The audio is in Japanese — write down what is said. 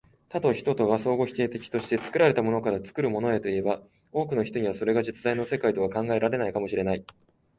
多と一とが相互否定的として、作られたものから作るものへといえば、多くの人にはそれが実在の世界とは考えられないかも知れない。